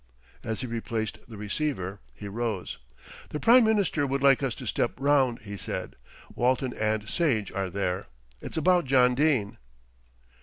As he replaced the receiver he rose. "The Prime Minister would like us to step round," he said. "Walton and Sage are there. It's about John Dene."